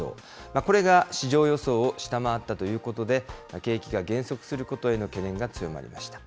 これが市場予想を下回ったということで、景気が減速することへの懸念が強まりました。